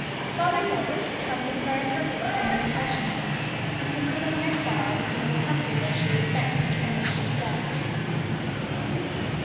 Father Norbert had come for the very purpose of hearing confessions, and Christina's next hour was the most comfortable she had spent since Ermentrude's death.